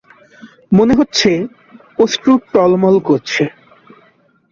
মনে হচ্ছে অশ্রু টলমল করছে।